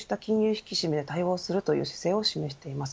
引き締めで対応するという姿勢を示しています。